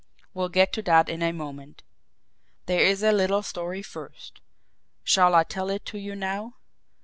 We'll get to that in a moment. There is that little story first shall I tell it to you now?